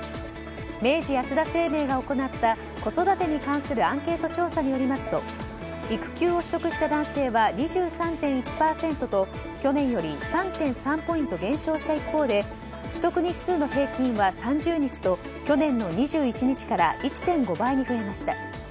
明治安田生命が行った子育てに関するアンケート調査によりますと育休を取得した男性は２３．１％と去年より３．３ポイント減少した一方で取得日数の平均は３０日と去年の２１日から１．５倍に増えました。